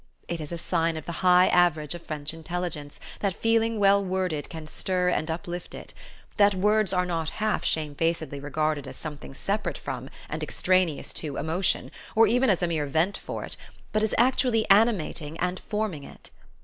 It is a sign of the high average of French intelligence that feeling well worded can stir and uplift it; that "words" are not half shamefacedly regarded as something separate from, and extraneous to, emotion, or even as a mere vent for it, but as actually animating and forming it.